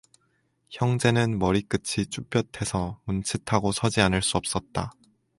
형제는 머리끝이 쭈뼛해서 문칫하고 서지 않을 수 없었다.